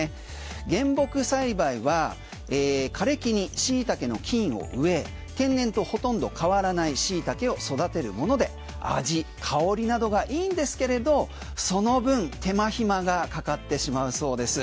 原木栽培は枯れ木にシイタケの菌を植え天然とほとんど変わらないシイタケを育てるもので味、香りなどがいいんですけれどその分、手間暇がかかってしまうそうです。